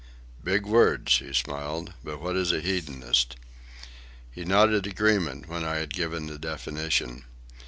"Big words," he smiled. "But what is a hedonist?" He nodded agreement when I had given the definition.